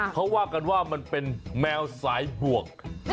เขาว่ากันว่ามันเป็นแมวสายบวก